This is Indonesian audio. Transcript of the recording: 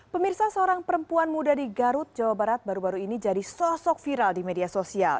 pemirsa seorang perempuan muda di garut jawa barat baru baru ini jadi sosok viral di media sosial